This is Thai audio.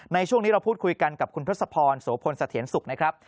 ในช่วงนี้เราพูดคุยกันกับคุณทศพรโสพลสะเทียนสุขนะครับ